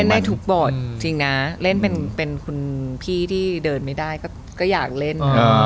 เล่นได้ทุกบทจริงนะเล่นเป็นคุณพี่ที่เดินไม่ได้ก็อยากเล่น